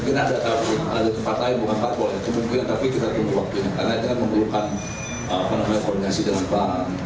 karena itu akan membutuhkan koordinasi dan sebagainya